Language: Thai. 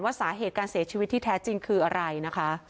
สาเหตุการเสียชีวิตที่แท้จริงคืออะไรนะคะ